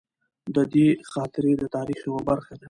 د ده خاطرې د تاریخ یوه برخه ده.